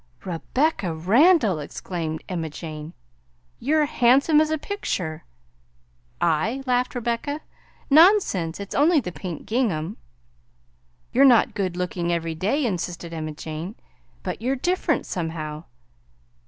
"Rebecca Randall!" exclaimed Emma Jane, "you're handsome as a picture!" "I?" laughed Rebecca "Nonsense! it's only the pink gingham." "You're not good looking every day," insisted Emma Jane; "but you're different somehow.